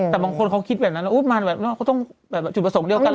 แต่บางคนเค้าคิดแบบนั้นอุ๊ยมันแบบต้องจุดประสงค์เดียวตลาด